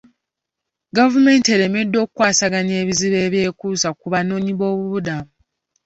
Gavumenti eremereddwa okukwasaganya ebizibu ebyekuusa ku banoonyiboobubudamu.